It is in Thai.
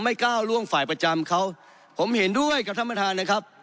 ก้าวล่วงฝ่ายประจำเขาผมเห็นด้วยกับท่านประธานนะครับ